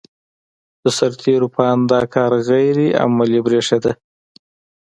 د سرتېرو په اند دا کار غیر عملي برېښېده.